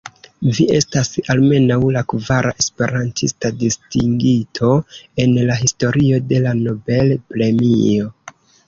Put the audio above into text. Vi estas almenaŭ la kvara esperantista distingito en la historio de la Nobel-premio.